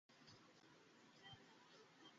সেটা হতে দেওয়া উচিত নয়, স্যার।